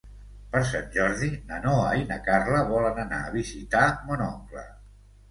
Per Sant Jordi na Noa i na Carla volen anar a visitar mon oncle.